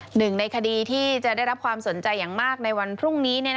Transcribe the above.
หนึ่งในคดีที่จะได้รับความสนใจอย่างมากในวันพรุ่งนี้